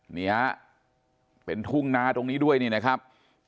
นี่ฮะเป็นทุ่งนาตรงนี้ด้วยนี่นะครับ